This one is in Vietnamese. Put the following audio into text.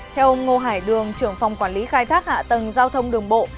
theo ông ngô hải đường trưởng phòng quản lý khai thác hạ tầng giao thông đường bộ